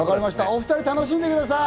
お２人、楽しんでください。